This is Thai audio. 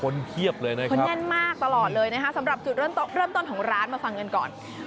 เลยนะครับสำหรับจุดเริ่มต้นของร้านมาฟังเงินก่อน